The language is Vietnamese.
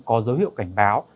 có dấu hiệu cảnh báo